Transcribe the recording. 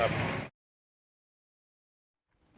ขอบคุณครับ